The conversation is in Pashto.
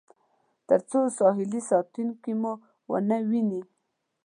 تر څو ساحلي ساتونکي مو ونه وویني.